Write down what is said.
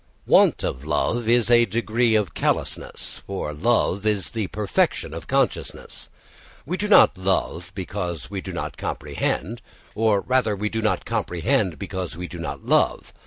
Want of love is a degree of callousness; for love is the perfection of consciousness. We do not love because we do not comprehend, or rather we do not comprehend because we do not love.